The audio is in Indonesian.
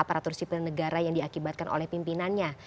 aparatur sipil negara yang diakibatkan oleh pimpinannya